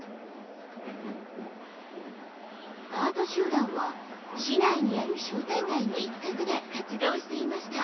アート集団は市内にある商店街の一角で活動していました。